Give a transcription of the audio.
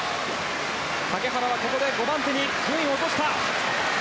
竹原は５番手に順位を落とした。